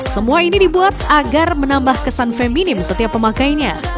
semua ini dibuat agar menambah kesan feminim setiap pemakainya